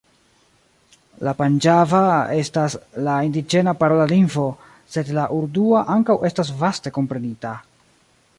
La panĝaba estas la indiĝena parola lingvo, sed la urdua ankaŭ estas vaste komprenita.